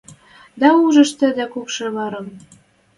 Дӓ ужеш тӹдӹ кӱкшӹ вӓрӹм